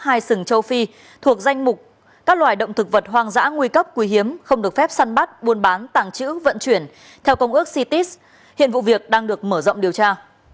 hai sừng châu phi thuộc danh mục các loài động thực vật hoang dã nguy cấp quý hiếm không được phép săn bắt buôn bán tàng trữ vận chuyển theo công ước cits hiện vụ việc đang được mở rộng điều tra